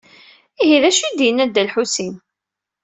Ihi d acu ay d-yenna Dda Lḥusin?